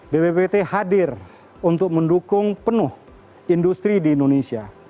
bppt hadir untuk mendukung penuh industri di indonesia